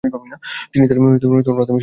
তিনি তার প্রাথমিক শিক্ষাগ্রহণ করেন।